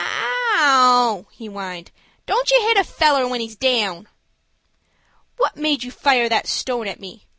"Ow!" he whined. "Don't you hit a feller when he's down." "What made you fire that stone at me?"